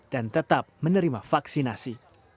dan tetap menerima vaksinasi